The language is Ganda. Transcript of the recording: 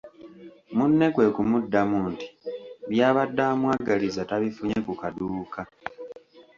Munne kwe kumuddamu nti by’abadde amwagaliza tabifunye ku kaduuka.